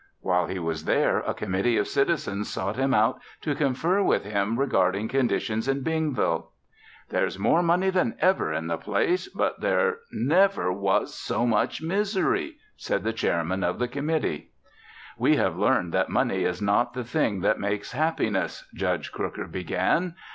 While he was there, a committee of citizens sought him out to confer with him regarding conditions in Bingville. "There's more money than ever in the place, but there never was so much misery," said the chairman of the committee. "We have learned that money is not the thing that makes happiness," Judge Crooker began.